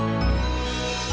hanya senat patrons semuanya